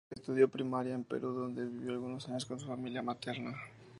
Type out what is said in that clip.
Estudió la primaria en Perú, donde vivió algunos años con su familia materna.